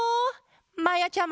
まやちゃま！